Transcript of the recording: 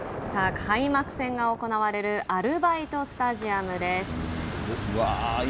開幕戦が行われるアルバイトスタジアムです。